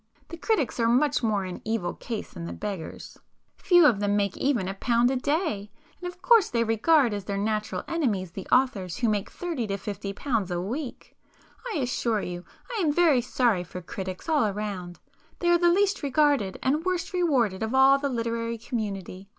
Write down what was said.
The critics are much more in evil case than the beggars—few of them make even a pound a day, and of [p 324] course they regard as their natural enemies the authors who make thirty to fifty pounds a week. I assure you I am very sorry for critics all round,—they are the least regarded and worst rewarded of all the literary community.